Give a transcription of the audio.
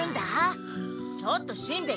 ちょっとしんべヱ！